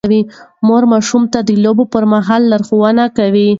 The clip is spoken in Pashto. مور ماشوم ته د لوبو پر مهال لارښوونه کوي.